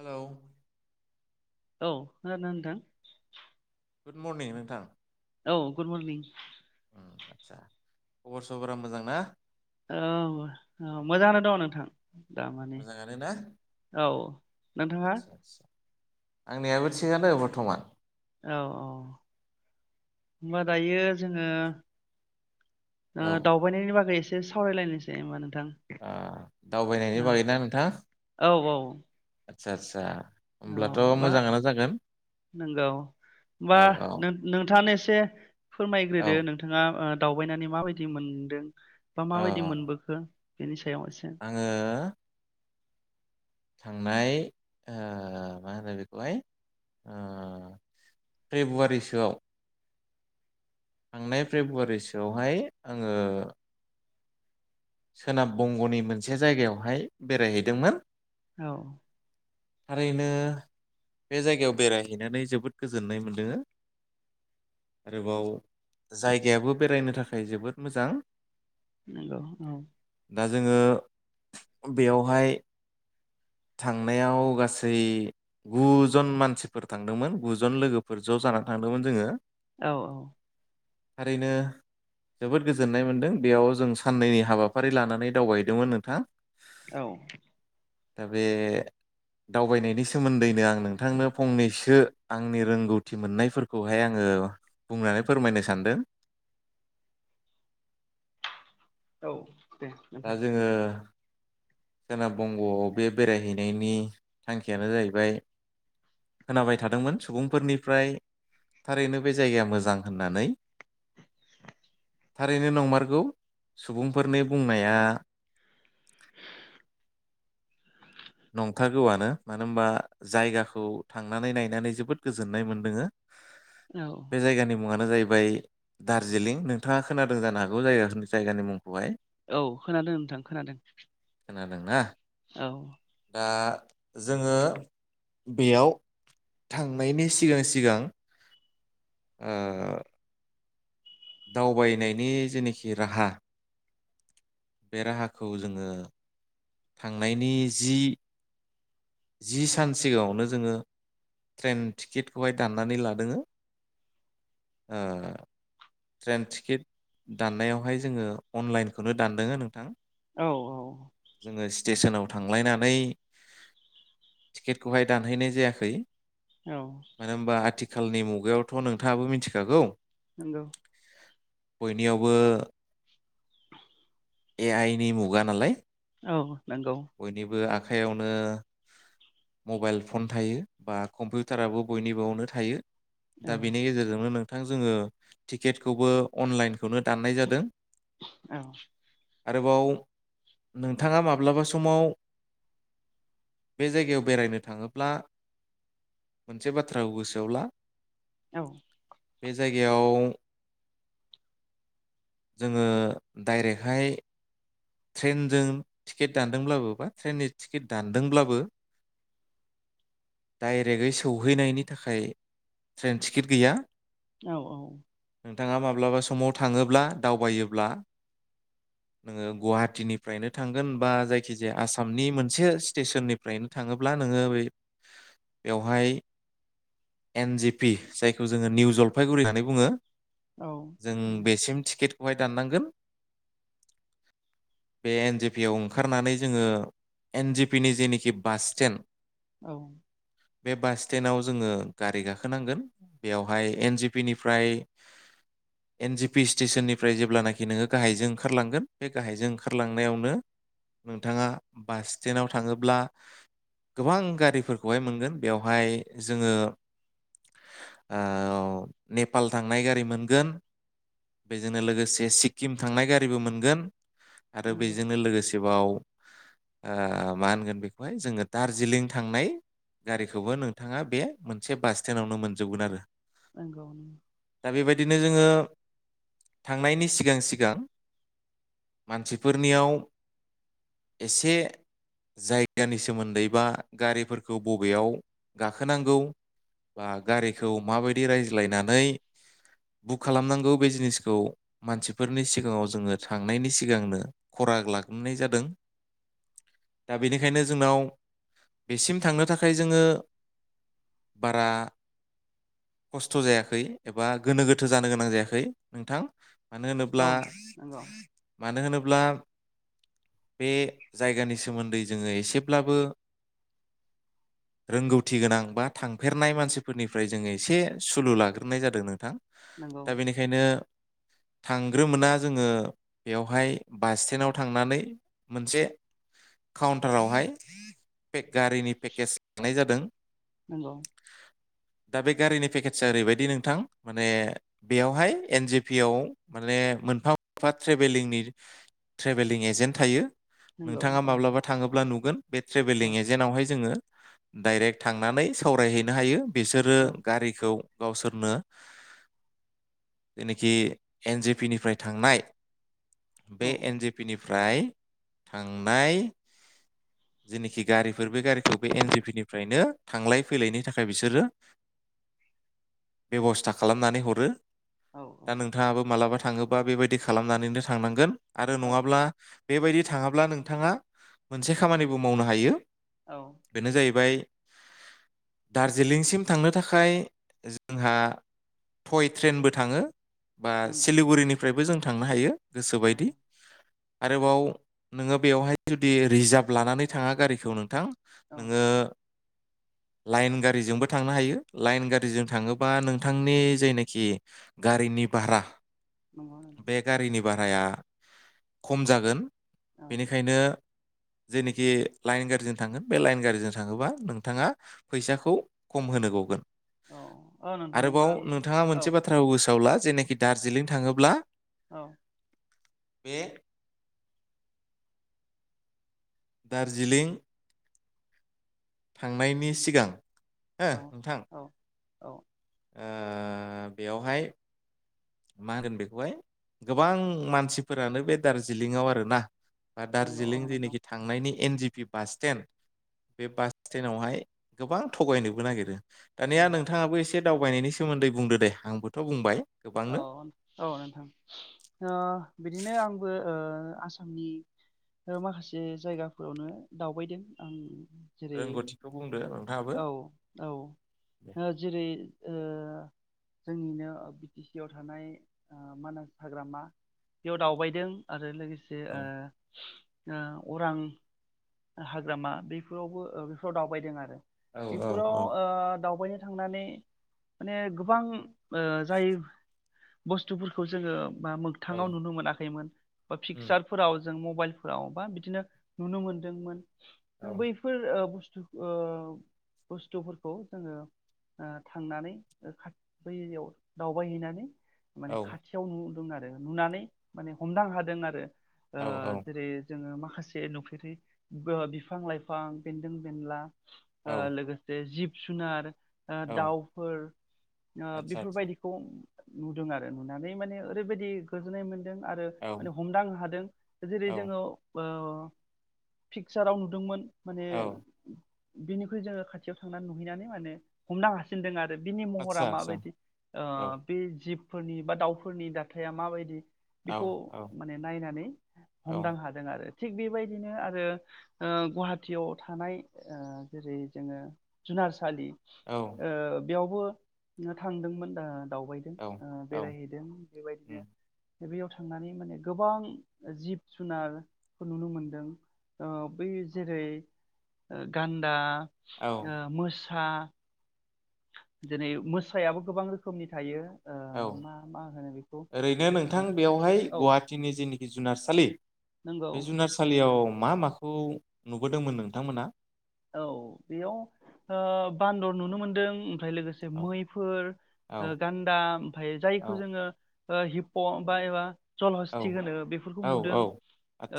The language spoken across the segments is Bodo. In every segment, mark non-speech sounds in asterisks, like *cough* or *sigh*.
हालौ औ खोनादोंना नोंथां? गुड मरनिं नोंथां। औ गुद मर्निं उम आदसा खबर सबरा मोजां ना? औ औ मोजाङानो दं नोंथां। दामानि मोजाङानो ना औ नोंथाङा? आदसा आदसा आंनियाबो थिगानो बर्थमान औ औ होनबा दायो जोङो ओ औ दावबानायनि बागै एसे एसे सावरायलायनोसै होमबा नों आ दावबायनायनि बागै ना नोंथां? *inaudible* आतसा आतसा औ बा नंगौ होमबा औ औ नों-नोंथांङानो *unintelligible* *inaudible* औ फोरमायग्रोदो नोंथाङा ओ दावबायनानै माबायदि मोनदों? बा औ माबायदि मोनबोखो बेनि *unintelligible* आङो थांनाय ओ मा होनो बेखौहाय ओ फेब्रुवारिसोआव थांनाय फेब्रुवारि सोआवहाय आङो सोनाब बंग'नि मोनसे जायगायावहाय बेरायहैदोंमोन। औ थारैनो बे जायगायाव बेरायहैनानै जोबोद गोजोननाय मोनदों आरोबाव जायगायाबो बेरायनो थाखाय जोबोद मोजां। नोंगौ औ दा जोङो बेयावहाय थांनायाव गासै गु जन मानसिफोर थांदोंमोन गु जन लोगोफोर ज' जानानै थांदोंमोन जोङो। औ औ थारैनो जोबोद गोजोननाय मोनदों बेयाव जों साननैनि हाबाफारि लानानै दावबायदोंमोन नोंथां औ दा बे दावबायनायनि सोमोन्दैनो आं नोंथांनो फंनैसो आंनि रोंगौथि मोननायफोरखौहाय आङो बुंनानै फोरमायनो सानदों। औ दे दा नोंथां जोङो सोनाब बंग'आव बे बेरायहैनायनि थांखियानो जाहैबाय, खोनाबाय थादोंमोन सुबुंफोरनिफ्राय थारैनो बे जायगाया मोजां होननानै थारैनो नंमारगौ सुबुंफोरनि बुंनाया नंखागौआनो मानो होनबा जायगाखौ थांनानै नायनानै जोबोद गोजोननाय मोनदोङो। औ बे जायगानि मुङानो जाहैबाय 'र्दाजिलिं' नोंथाङा खोनादों जानो हागौ जायगा जायगानि मुंखौहाय औ खोनादों नोंथां खोनादों खोनादोंना औ दा जोङो बेयाव थांनायनि सिगां सिगां ओ दावबायनायनि जिनिखि राहा बे राहाखौ जोङो थांनायनि जि- जि सान सिगाङावनो जोङो ट्रेन टिकेटखौहाय दान्नानै लादोंओ ट्रेन टिकेट दाननायावहाय जोङो अनलाइनखौनो दानद नोंथां। औ औ जोङो स्टेसनाव थांलायनानै टिकेटखौहाय दानहैनाय जायाखै औ मानो होनोब्ला आथिखाल आथिखालनि मुगायावथ' नोंथाङाबो मिथिखागौ नंगौ। बयनियावबो ए आइ नि मुगा नालाय औ नंगौ। आखायावनो मबाइल फन थायो बा कम्पिउटाराबो बयनिबोवनो थायो औ दा बेनि गेजेरजोंनो नो थां जोङो टिकेटखौबो अनलाइनखौनो दाननाय जादों। औ आरोबाव नोंथाङा माब्लाबा समाव बे जायगायाव बेरायनो थाङोब्ला मोनसे बाथ्राखौ गोसोआवला औ बे जायगायाव जोङो डाइरेक्टहाय ट्रेनजों टिकेट दानदोंब्लाबो बा ट्रेननि टिकेट दानदोंब्लाबो डाइरेक्टै सौहैनायनि थाखाय ट्रेन टिकेट गैया। औ औ नोंथाङा माब्लाबा समाव थाङोब्ला दावबायोब्ला नोङो गुवाहा थिनिफ्रायनो थांगोन बा जायखिजाया आसामनि मोनसे स्टेसननिफ्रायनो थाङोब्ला नोङो ब बेवहाय एन जि पि जायखौ जोङो निउ जलफायगुरि होननानै बुङो। औ जों बेसिम टिकेट बेहाय दाननांगोन बे एन जि पि आव ओंखारनानै जोङो एन जि पि नि जेनिखि बास स्टेन्ड औ बे बास स्टेन्डआव जोङो गारि गाखोनांगोन बेयावहाय एन जि पि निफ्राय, एन जि पि स्टेसननिफ्राय जेब्लानाखि नोङो गाहायजों ओंखारलांगोन बे गाहायजों ओंखारलांनायावनो, नोंथाङा बास स्टेन्डआव थाङोब्ला गोबां गारिफोरखौहाय मोनगोन बेवहाय जोङो अ नेपाल थांनाय गारि मोनगोन बेजोंनो लोगोसे सिक्किम थांनाय गारिबो मोनगोन आरो नंगौ औ बेजोंनो लोगोसे बाव ओ मा होनगोन बेखौहाय जोङो दार्जिलिं थांनाय गारिखौबो नोंथाङा बे मोनसे बास स्टेन्डावनो मोनजोबगोन आरो। नंगौ नंगौ दा बेबायदिनो जोङो थांनायनि सिगां -सिगां मानसिफोरनियाव एसे जायगानि सोमोन्दै बा गारिफोरखौ बबेयाव गाखोनांगौ बा गारिखौ माबायदि रायज्लायनानै बुक खालामनांगौ बे जिनिसखौ मानसिफोरनि सिगाङाव जोङो थांनायनि सिगांनो खराग लाग्रोनाय जादों। दा बेनिखायनो जोंनाव बेसिम थांनो थाखाय जोङो बारा खस्थ' जायाखै एबा गोनो गोथो जानो गोनां जायाखै नोंथां। मानो होनोब्ला औ नंगौ मानो होनोब्ला बे जायगानि सोमोन्दै जोङो एसेब्लाबो रोंगौथि गोनां बा थांफेरनाय मानसिफोरनिफ्राय जोङो एसे सुलुं लाग्रोनाय जादों नोंथां। नंगौ दा बेनिखायनो थांग्रोमोना जोङो बेवहाय बास स्टेनाव थांनानै मोनसे काउन्टारावहाय बे गारिनि पेकेज लानाय जादों। नंगौ। दा बे गारिनि पेकेेजआ ओरैबायदि नोंथां माने बेयावहाय एनजि पि आव माने मोन फा ट्रेभेलिंनि ट्रेभेलिं एजेन्ट थायो। नंगौ नोंथांङा औ माब्लाबा थाङोब्ला नुगोन बे ट्रेभेलिं औ एजेन्टावहाय जोङो डाइरेक्ट थांनानै सावरायहैनो हायो। बिसोरो गारिखौ। गावसोरनो जेनोखि एनजे पि निफ्राय थांनाय बे औ एनजिपि नि ओमफ्राय थांनाय जेनोखि गारिफोर बे गारिखौ बे एन जिपि निफ्रायनो थांलाय फैलायनि थाखाय बिसोरो बेब'स्था खालामनानै हरो। औ दा नोंथाङाबो मालाबा थाङो बा बेबायदि खालामनानैनो थांनांगोन। आरो औ नङाब्ला बेबायदि थाङाब्ला नोंथाङा मोनसे खामानिबो मावनो हायो। औ बेनो जाहैबाय दार्जिलिंसिम थांनो थाखाय जोंहा ट्रेनबो थाङो। बा नंगौ सिलिगुरिनि फ्रायबो जों थांनो हायो। औ गोसोबायदि। आरोबाव नोङो बेवहाय जुदि रिजार्भ लानानै थाङा गारिखौ नोंथां औ नोङो लाइन गारिजोंबो थांनो हायो। लाइन गारिजों थाङोब्ला बा नोंथांनि जायनाखि गारिनि भारा नङा। बे गारिनि भाराया खम जागोन। औ बेनिखायनो जेनोखि लाइन गारिजों थांगोन बे लाइन गारिजों थाङोबा नोंथाङा फैसाखौ खम होनो गगोन। औ औ नोंथां आरोबाव होमबा नोंथाङा मोनसे आं बाथ्राखौ गोसोआवला। जेनाखि दार्जिलिं थाङोब्ला औ बेे दार्जिलिं थांनायनि सिगां ओ औ नोंथां। औ औ ओ बेवहाय मा होनगोन बेखौहाय गोबां मानसिफोरानो बे दार्जिलिंआव आर ना बा नंगौ दार्जिलिं औ नोंथां जेनाखि थांनायनि एन जि पि बास स्टेणड बे बास स्टेणडावहाय गोबां थगायनोबो नागिरो। औ दानिया नोंथाङाबो एसे एसे दावबायनायनि सोमोन्दै बुंदो दे आंबोथ बुंबाय। औ गोबांनो औ नोंथां ओ बिदिनो आंबो आसामनि माखासे जायगाफोरावनो दावबायदों आं। जेरै रोंगौथिखौ बुंदो आ औ औ जेरै ओ जोंनिनो बि टि सि आव थानाय ओ मानास हाग्रामा बेयाव दावबायदों। आरो लोगोसे से औ ओ ओ अरां हाग्रामा बेफोरावबो बेफोराव दावबायदों आरो। औ औ बेफोराव औ ओ दावबायनि थांनानै माने गोबां ओ जायो। बुस्थुफोरखौ जोङो बा औ मोगथाङाव नुनो मोनाखैमोन बा उम पिकसारफोराव जों मबाइलफोराव बा बिदिनो नुनो मोनदोंमोन। औ जों बैफोर बस्थु ओ बुस्थुफोरखौ जोङो ओ थांनानै खा बैयाव दावबायहैनानै माने औ खाथियाव नुदों आ नुनानै माने हमदां हादों आरो। ओ औ औ जेरै जोङो मा खासे नुफेर ओ बिफां-लाइफां बेन्दों बेनला ओ औ लोगोसे जिब जुनार ओ औ दाउफोर ओ आतसा आतसा बेफोरबायदिखौ नुदों आरो नुनानै माने ओरैबायदि गोजोननाय मोन्दों आरो औ माने हमदां हादों जेरै औ जोङो ओ पिकसाराव नुदोंमोन माने औ बिनिख्रुइ जोङो खाथियाव थांनानै नुहैनानै माने हमनो हासिनदों आ रो बिनि महरा आतसा आतसा माबायदि ओ औ बे जिब फोरनि बा दाउफोरनि दाथाया माबायदि औ बेखौ औ माने नायनानै औ हमदां हादों आरो। थिग बेबायदिनो आरो ओ गुवाहाटियाव थानाय ओ जेरै जोङो जुनारसालि औ ओ बेयावबो थांदोंमोन दा दावबायदों औ ओ औ बेरायहैदों बेबायदिनो उम बेयाव थांनानै माने गोबां जिब जुनारफोर नुनो मोनदों ओ बै जेरै ओ गान दा, औ ओ मोस था दिनै मोसायाबो गोबां रोखोमनि थायो। ओ औ मा मा होनो बेखौ ओरैनो नोंथां ओ बेवहाय औ गुवाहाटिनि जेनि खि जुनारसालि नंगौ बे जुनारसालियाव मा माखौ नुबोदोंमोन नोंथांमोना? औ बेयाव ओ बान्दर नुनो मोनदों ओमफाय लोगोसे औ मैफोर औ ओ गान्दा ओमफाय जायखौ औ जोङो ओ हिप' बा एबा जल हसति होनो बेफोरखौ औ नुदों, औ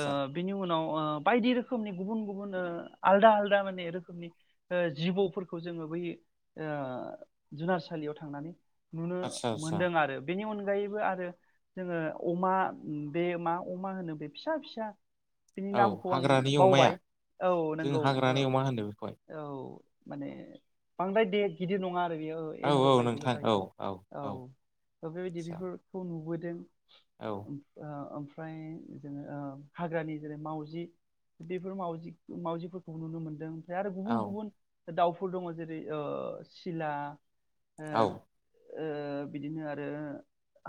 ओ बिनि उनाव ओ बायदि रोखोमनि गुबुन गुबुन ओ आलदा आलदा माने रोखोमनि ओ जिबौ फोरखौ जोङो बै ओ जुनार सालियाव थांनानै नुनो आदसा आदसा मोनदों आरो बेनि अन अनगायैबो आरो जोङो अमा बे मा अमा होनो बे फिसा फिसा बिनि औ नामखौ आं हाग्रानि अमाया बावबाय औ जों नंगौ औ। हाग्रानि अमा होनो बेखौहाय औ माने बांद्राय दे गिदिर नङा आरो। बियो ओ औ एन्जर औ बायदिल' नोंथां औ जायो अ औ थ' बेबायदि आदसा बेफोरखौ नुबो जों औ ओम आमफ्रा ओमफाय जोङो ओ हाग्रानि जेरै मावजि बेफोर मावजि मावजि फोरखौ नुनो मोनदों। जे आरो औ औ गुबुन गुबुन दाउ फोर दङ जेरै ओ सिला ओ ओ बिदिनो आरो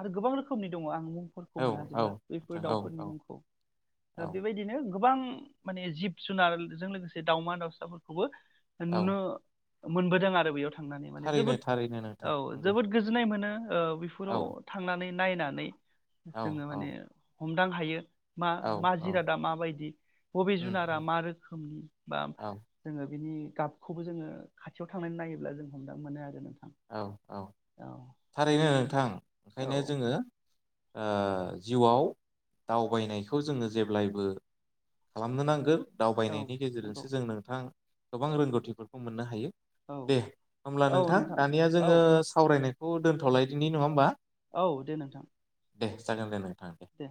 आरो गोबां रोखोमनि दङ आं फोरखौ औ मोना औ जेब्ला बेफोर नोंथां दाउ औ फोरनि औ मुंखौ ओ औ बेबायदिनो गोबां माने जिब जुनार जों लोगोसे दावमा दावसा फोरखौबो नुनो औ मोनबोदों आरो बेयावथ' थांनानै माने थारैनो जोबोद थारैनो नोंथां औ नंगौ जोबोद गोजोननाय मोनो ओ औ बैफोराव थांनानै नायनानै जोङो माने औ हमदां हायो। मा औ मा औ जिरादा माबायदि बबे उम जुनारा उम मा रोखोमनि बा औ जोङो बिनि गाबखौबो जोङो खाथियाव थांनानै नायोब्ला जों हमदां मोनो आरो नोंथां। औ औ थारैनो नोंथां ओंखायनो औ जोङो ओ जिउ आव दावबाय नायखौ जोङो जेब्लायबो खालामनो नांगोन। औ दावबायनायनि नंगौ गेजेरजोंसो जों नोंथां गोबां रोंगौथि फोरखौ मोननो हायो। औ दे होमब्ला औ नोंथां दानिया औ जोङो सावरायनाय खौ दोनथ'लायदिनि नङा होमबा? औ दे नोंथां दे जागोन दे नाय दे